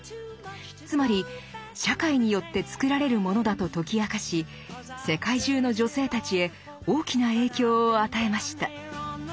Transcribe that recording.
つまり社会によってつくられるものだと解き明かし世界中の女性たちへ大きな影響を与えました。